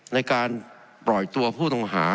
ในการปล่อยตัวผู้ต้องหา